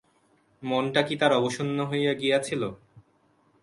মনটা কি তার অবসন্ন হইয়া গিয়াছিল?